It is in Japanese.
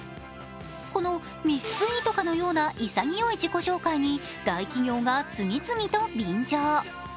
このミスツイートかのような潔い自己紹介に大企業が次々と便乗。